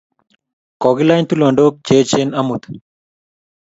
kokilany tulondok cheechen amut